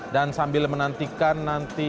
dan sambil menantikan nanti